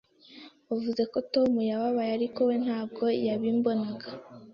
Wavuze ko Tom yababaye, ariko we ntabwo yabimbonaga.